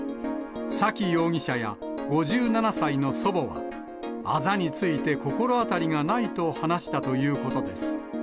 沙喜容疑者や、５７歳の祖母は、あざについて心当たりがないと話したということです。